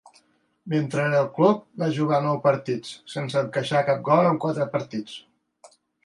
Mentre era al club, va jugar nou partits, sense encaixar cap gol en quatre partits.